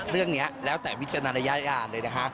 เรื่องนี้แล้วแต่วิจารณญาณเลยนะคะ